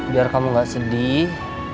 biar kamu gak sedih